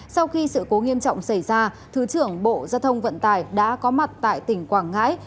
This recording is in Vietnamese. sau khi sự cố nghiêm trọng xảy ra thứ trưởng bộ giao thông vận tải đã có mặt tại tỉnh quảng ngãi